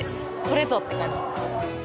これぞって感じ。